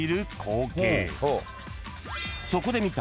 ［そこで見た］